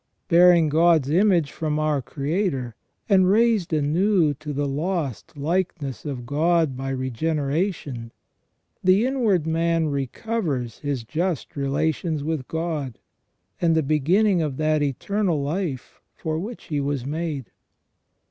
Bearing God's image from our Creator, and raised anew to the lost likeness of God by regeneration, the inward man recovers his just relations with God, and the beginning of that eternal life for which he was made.